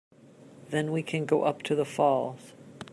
Then we can go up to the falls.